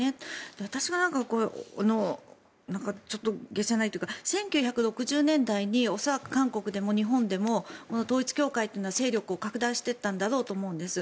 私がちょっと解せないというか１９６０年代に恐らく韓国でも日本でも統一教会というのは勢力を拡大していったんだろうと思うんです。